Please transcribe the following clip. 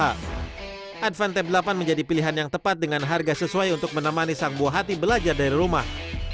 advantep delapan menjadi pilihan yang tepat dengan harga sesuai untuk menemani sang buah hati belajar dari rumah